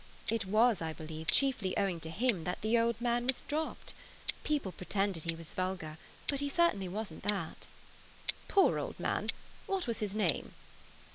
It was, I believe, chiefly owing to him that the old man was dropped. People pretended he was vulgar, but he certainly wasn't that." "Poor old man! What was his name?"